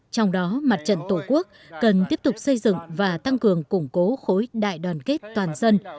trong đó mặt trận tổ quốc cần tiếp tục xây dựng và tăng cường củng cố khối đại đoàn kết toàn dân